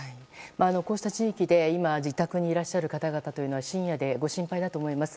こうした地域で今、自宅にいらっしゃる方々は深夜でご心配だと思います。